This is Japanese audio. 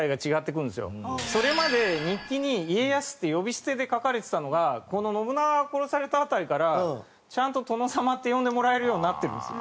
それまで日記に「家康」って呼び捨てで書かれてたのがこの信長が殺された辺りからちゃんと「殿様」って呼んでもらえるようになってるんですよ